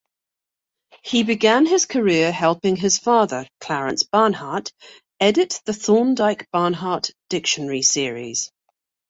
He began his career helping his father, Clarence Barnhart, edit the "Thorndike-Barnhart" dictionary series.